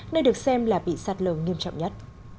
nơi được xem là bị sạt lở nghiêm trọng nhất